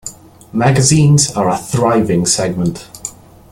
Magazines are a thriving segment.